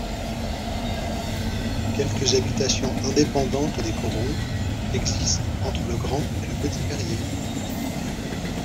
Quelques habitations indépendantes des corons existent entre le Grand et le Petit Périer.